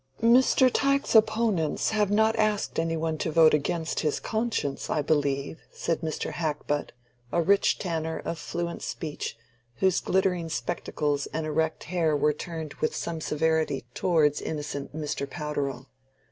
"Mr. Tyke's opponents have not asked any one to vote against his conscience, I believe," said Mr. Hackbutt, a rich tanner of fluent speech, whose glittering spectacles and erect hair were turned with some severity towards innocent Mr. Powderell.